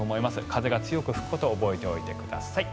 風が強く吹くことを覚えておいてください。